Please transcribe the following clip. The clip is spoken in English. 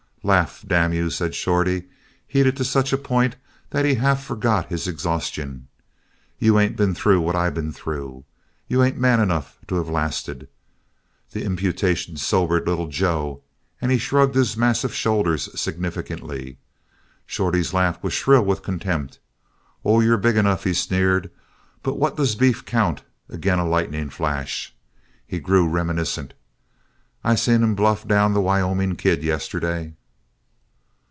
"Laugh, damn you," said Shorty, heated to such a point that he half forgot his exhaustion. "You ain't been through what I been through. You ain't man enough to of lasted." The imputation sobered Little Joe and he shrugged his massive shoulders significantly. Shorty's laugh was shrill with contempt. "Oh, you're big enough," he sneered. "But what does beef count agin a lightning flash?" He grew reminiscent. "I seen him bluff down the Wyoming Kid, yesterday."